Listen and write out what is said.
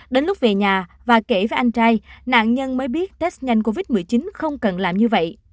đến lúc về nhà và kể với anh trai nạn nhân mới biết test nhanh covid một mươi chín không cần làm như vậy